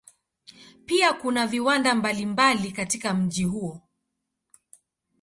Pia kuna viwanda mbalimbali katika mji huo.